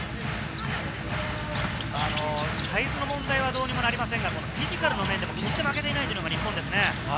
サイズの問題はどうにもなりませんが、フィジカルの面では負けていないのが日本ですね。